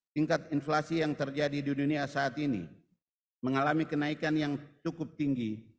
tingkat inflasi yang terjadi di dunia saat ini mengalami kenaikan yang cukup tinggi